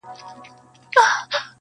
له ناکامه یې ځان سیند ته ور ایله کړ!!